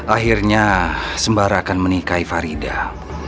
akhirnya sembara akan menikahi farida